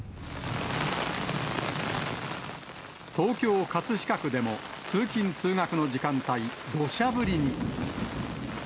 東京・葛飾区でも通勤・通学の時間帯、どしゃ降りに。